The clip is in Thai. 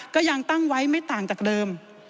ก็ยังตั้งไว้ไม่ต่างจากเดิม